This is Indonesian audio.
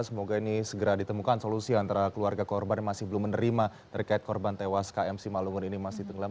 semoga ini segera ditemukan solusi antara keluarga korban yang masih belum menerima terkait korban tewas km simalungun ini masih tenggelam